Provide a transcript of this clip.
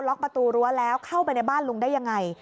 ็อกประตูรั้วแล้วเข้าไปในบ้านลุงได้ยังไง